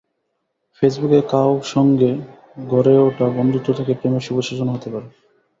ফেসবুকে কাও সঙ্গে গড়ে ওঠা বন্ধুত্ব থেকে প্রেমের শুভ সূচনা হতে পারে।